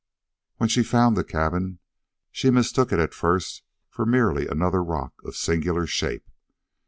When she found the cabin she mistook it at first for merely another rock of singular shape.